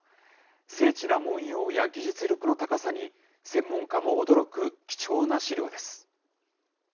精緻な文様や技術力の高さに専門家も驚く貴重な資料です。